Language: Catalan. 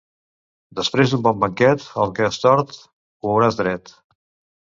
Després d'un bon banquet, el que és tort ho veuràs dret.